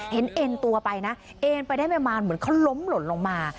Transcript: เอ็นตัวไปนะเอ็นไปได้ประมาณเหมือนเขาล้มหล่นลงมา